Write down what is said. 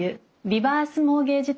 「リバースモーゲージ」？